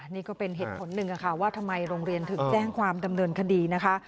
นี่ก็เป็นเหตุผลหนึ่งค่ะว่าทำไมโรงเรียนถึงแจ้งความดำเนินคดีนะคะ